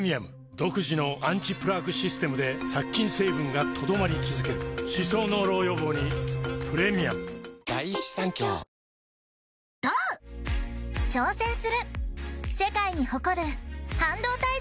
独自のアンチプラークシステムで殺菌成分が留まり続ける歯槽膿漏予防にプレミアムお天気です。